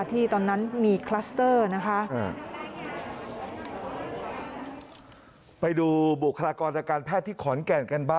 ที่ตอนนั้นมีคลัสเตอร์นะคะ